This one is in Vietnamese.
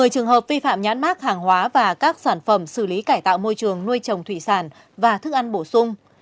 một mươi trường hợp vi phạm nhãn mác hàng hóa và các sản phẩm xử lý cải tạo môi trường nuôi trồng thủy sản và thức ăn bổ sung